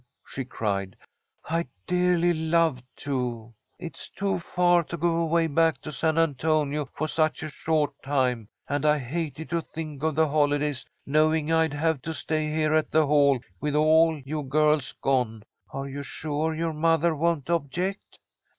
she cried. "I'd dearly love to! It's too far to go away back to San Antonio for such a short time, and I hated to think of the holidays, knowing I'd have to stay here at the Hall, with all you girls gone. Are you sure your mother won't object?"